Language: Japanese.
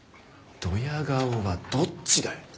ドヤ顔はどっちだよ！